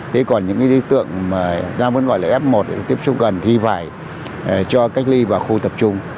thế còn những đối tượng mà nam vẫn gọi là f một tiếp xúc gần thì phải cho cách ly vào khu tập trung